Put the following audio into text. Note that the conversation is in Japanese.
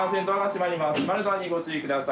閉まるドアにご注意ください。